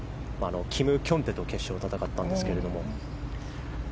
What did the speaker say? キム・キョンテと決勝を戦ったんですが。